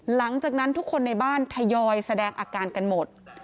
หลังจากนั้นทุกคนในบ้านทยอยแสดงอาการกันหมด